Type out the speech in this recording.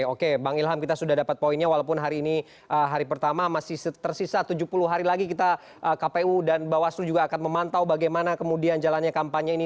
oke bang ilham kita sudah dapat poinnya walaupun hari ini hari pertama masih tersisa tujuh puluh hari lagi kita kpu dan bawaslu juga akan memantau bagaimana kemudian jalannya kampanye ini